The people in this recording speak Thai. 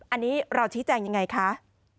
อันนี้เราที่แจ้งอย่างไรคะ